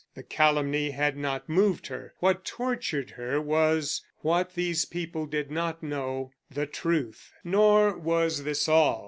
The calumny had not moved her. What tortured her was what these people did not know the truth. Nor was this all.